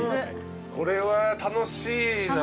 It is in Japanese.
これは楽しいな。